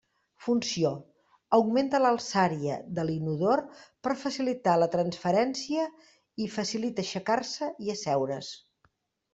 Funció: augmenta l'alçària de l'inodor per facilitar la transferència i facilita aixecar-se i asseure's.